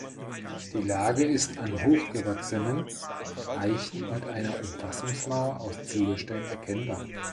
Die Lage ist an hochgewachsenen Eichen und einer Umfassungsmauer aus Ziegelsteinen erkennbar.